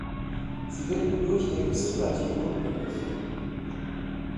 Sie wecken durchgängig Sympathie und Mitgefühl.